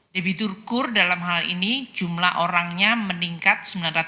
debitur kur dalam hal ini jumlah orangnya meningkat sembilan ratus sembilan puluh